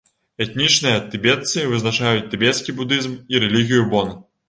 Этнічныя тыбетцы вызнаюць тыбецкі будызм і рэлігію бон.